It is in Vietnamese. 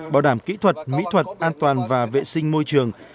bảo đảm kỹ thuật mỹ thuật an toàn và vệ sinh môi trường